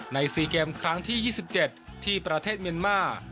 ๔เกมครั้งที่๒๗ที่ประเทศเมียนมาร์